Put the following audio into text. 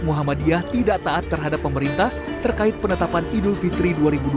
muhammadiyah tidak taat terhadap pemerintah terkait penetapan idul fitri dua ribu dua puluh